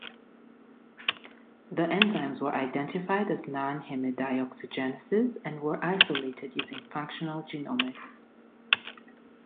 The enzymes were identified as non-heme dioxygenases, and were isolated using functional genomics.